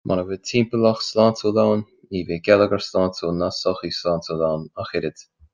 Muna bhfuil timpeallacht sláintiúil ann, ní bheidh geilleagar sláintiúil ná sochaí sláintiúil ann ach oiread